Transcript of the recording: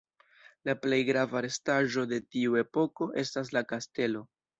La plej grava restaĵo de tiu epoko estas la kastelo.